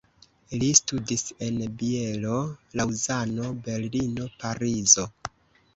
Li studis en Bielo, Laŭzano, Berlino, Parizo.